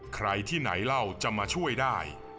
ใครที่ไหนเล่าจะมาช่วยได้